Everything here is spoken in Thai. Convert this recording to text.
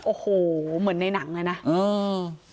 โอ้โหเหมือนในหนังเลยนะเออ